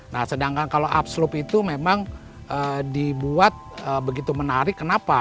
nah sedangkan kalau upslope itu memang dibuat begitu menarik kenapa